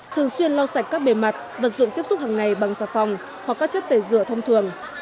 thường xuyên lau sạch các bề mặt vật dụng tiếp xúc hàng ngày bằng xà phòng hoặc các chất tẩy rửa thông thường